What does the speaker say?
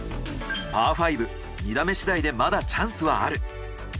パー５２打目次第でまだチャンスはある。